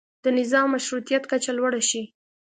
د نظام مشروطیت کچه لوړه شي.